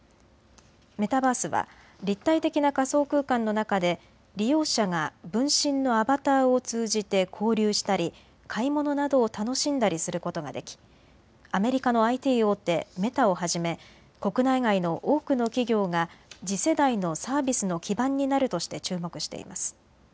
メタバースは立体的な仮想空間の中で利用者が分身のアバターを通じて交流したり、買い物などを楽しんだりすることができアメリカのＩＴ大手、メタをはじめ国内外の多くの企業が次世代のサービスの基盤になるとして注目しています。